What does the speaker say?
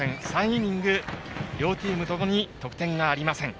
３イニング、両チームともに得点がありません。